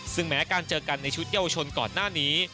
ซึ่งแม้การเจอกันในชุดเยาวชนก่อนหน้านี้